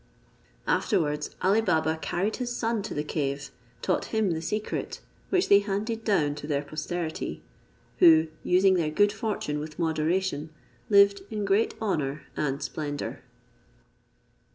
Afterwards Ali Baba carried his son to the cave, taught him the secret, which they handed down to their posterity, who, using their good fortune with moderation, lived in great honour and splendour.